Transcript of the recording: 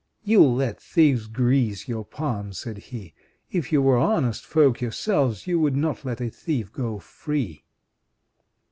"You let thieves grease your palms," said he. "If you were honest folk yourselves, you would not let a thief go free."